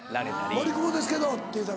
「森久保ですけど」って言うたら。